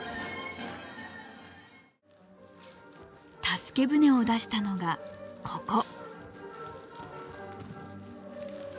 助け船を出したのがここ。